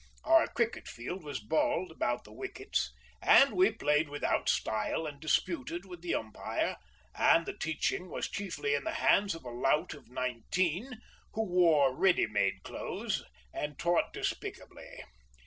Our cricket field was bald about the wickets, and we played without style and disputed with the umpire; and the teaching was chiefly in the hands of a lout of nineteen, who wore ready made clothes and taught despicably.